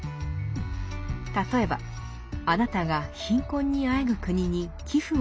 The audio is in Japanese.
例えばあなたが貧困にあえぐ国に寄付をしたとします。